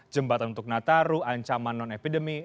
jembatan untuk nataru ancaman non epidemi